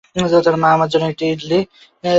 মা, আমার জন্য একটা ইডলি।